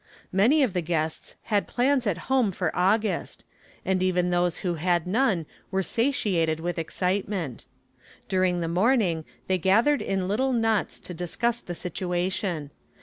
Many of the guests had plans at home for August, and even those who had none were satiated with excitement. During the morning they gathered in little knots to discuss the situation.